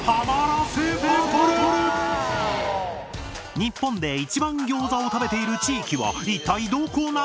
日本で一番ギョーザを食べている地域は一体どこなのか？